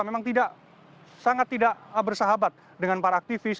memang tidak sangat tidak bersahabat dengan para aktivis